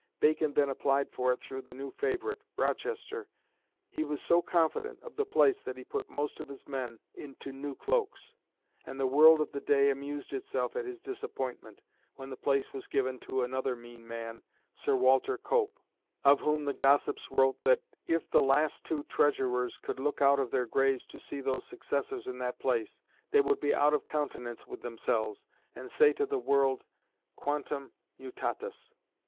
Bacon then applied for it through the new favourite, Rochester. "He was so confident of the place that he put most of his men into new cloaks;" and the world of the day amused itself at his disappointment, when the place was given to another "mean man," Sir Walter Cope, of whom the gossips wrote that if the "last two Treasurers could look out of their graves to see those successors in that place, they would be out of countenance with themselves, and say to the world quantum mutatus."